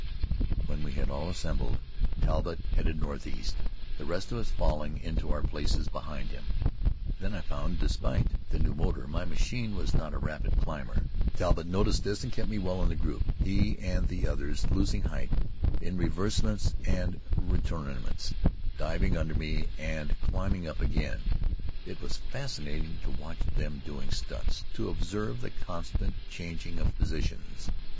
When we had all assembled, Talbott headed northeast, the rest of us falling into our places behind him. Then I found that, despite the new motor, my machine was not a rapid climber. Talbott noticed this and kept me well in the group, he and the others losing height in renversements and retournements, diving under me and climbing up again. It was fascinating to watch them doing stunts, to observe the constant changing of positions.